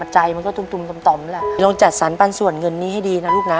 ใจมันก็ตุมต่อมแหละลองจัดสรรปันส่วนเงินนี้ให้ดีนะลูกนะ